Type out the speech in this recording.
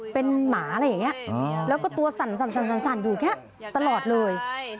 เป็นหมาอะไรอย่างนี้แล้วก็ตัวสั่นอยู่อย่างนี้ตลอดเลย